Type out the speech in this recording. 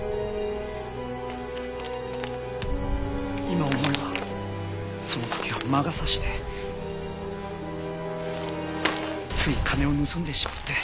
今思えばその時は魔が差してつい金を盗んでしまって。